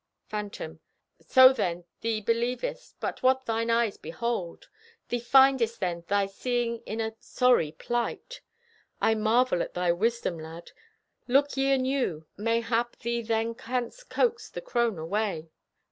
Phantom: So, then, thee believest But what thine eyes behold! Thee findest then Thy seeing in a sorry plight. I marvel at thy wisdom, lad. Look ye anew. Mayhap thee then Canst coax the crone away.